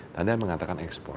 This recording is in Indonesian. tandanya mengatakan ekspor